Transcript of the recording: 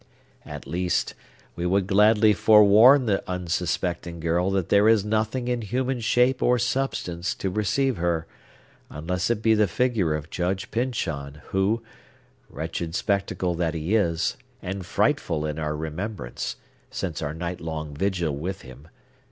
At least, we would gladly forewarn the unsuspecting girl that there is nothing in human shape or substance to receive her, unless it be the figure of Judge Pyncheon, who—wretched spectacle that he is, and frightful in our remembrance, since our night long vigil with him!